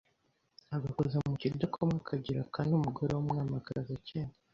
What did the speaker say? Agakoza mu kidakomwa Akagira kane Umugore w’umwami akaza Akenda